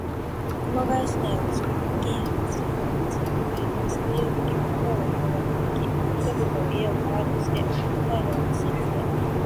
熊谷市内はもちろん、付近の町や村へも、そういうぶきみな声がひろがっていき、人々は家をからにして、街路へ走りいで、